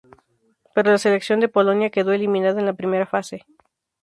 Pero la Selección de Polonia quedó eliminada en la Primera Fase.